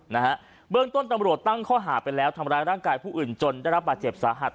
นะฮะเบื้องต้นตำรวจตั้งข้อหาไปแล้วทำร้ายร่างกายผู้อื่นจนได้รับบาดเจ็บสาหัส